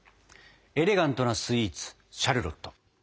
エレガントなスイーツシャルロット。